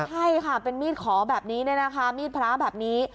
ใช่ค่ะเป็นมีดขอแบบนี้เนี่ยนะคะมีดพระแบบนี้